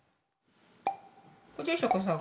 ご住職さん